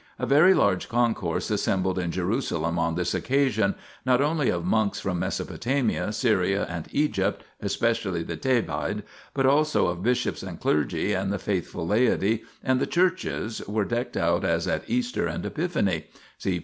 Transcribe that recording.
2 A very large concourse assembled in Jerusalem on this occasion, not only of monks from Mesopotamia, Syria, and Egypt (especially the Thebaid), but also of bishops and clergy and the faithful laity, and the churches were decked out as at Easter and Epiphany (see pp.